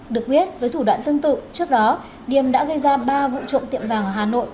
được biết với thủ đoạn tương tự trước đó điềm đã gây ra ba vụ trộm tiệm vàng ở hà nội